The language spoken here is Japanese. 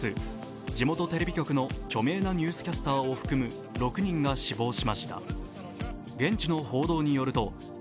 地元テレビ局の著名なニュースキャスターを含む６人が死亡しました。